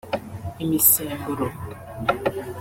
Imisemburo